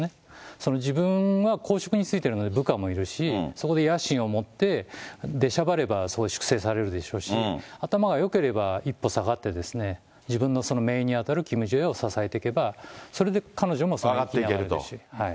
その自分は公職についているので部下もいるし、そこで野心を持って出しゃばれば粛清されるでしょうし、頭がよければ、一歩下がってですね、自分のめいにあたるキム・ジュエを支上がっていけると。